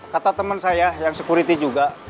kata teman saya yang security juga